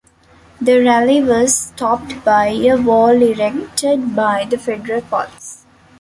The rally was stopped by a wall erected by the Federal Police.